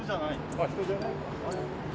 あっ人じゃないか。